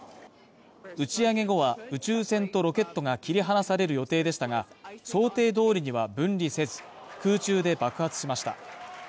打ち上げ後は、宇宙船とロケットが切り離される予定でしたが、想定通りには分離せず、空中で爆発しました。